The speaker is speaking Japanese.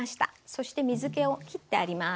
そして水けを切ってあります。